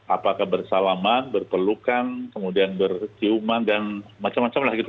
apakah bersalaman berpelukan kemudian berciuman dan macam macam lah gitu